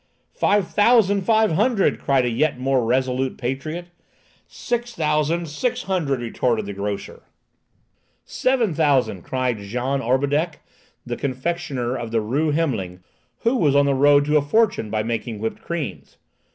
"Five thousand five hundred!" cried a yet more resolute patriot. "Six thousand six hundred!" retorted the grocer. "Seven thousand!" cried Jean Orbideck, the confectioner of the Rue Hemling, who was on the road to a fortune by making whipped creams.